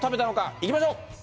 いきましょう。